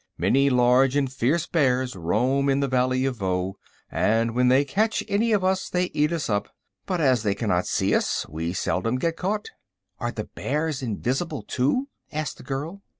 "Many large and fierce bears roam in the Valley of Voe, and when they can catch any of us they eat us up; but as they cannot see us, we seldom get caught." "Are the bears invis'ble, too?" asked the girl.